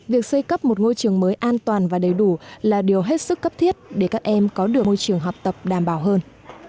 việc xây cấp một ngôi trường mới an toàn và đầy đủ là điều hết sức cấp thiết để các em có được môi trường học tập đảm bảo hơn